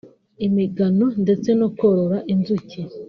imigano ndetse no korora inzuki